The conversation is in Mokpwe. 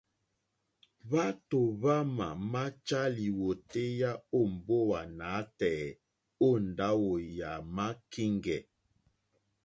Hwátò hwámà máchá lìwòtéyá ó mbówà nǎtɛ̀ɛ̀ ó ndáwò yàmá kíŋgɛ̀.